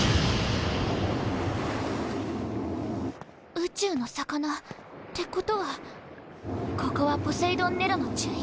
宇宙の魚ってことはここはポセイドン・ネロの宙域。